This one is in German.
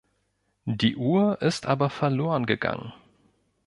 Die Uhr ist aber verloren gegangen.